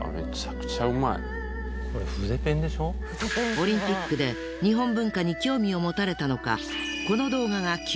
オリンピックで日本文化に興味を持たれたのか。